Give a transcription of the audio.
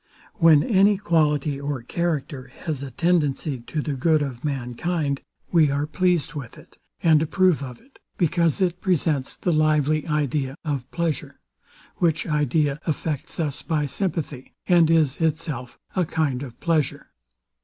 When any quality, or character, has a tendency to the good of mankind, we are pleased with it, and approve of it; because it presents the lively idea of pleasure; which idea affects us by sympathy, and is itself a kind of pleasure.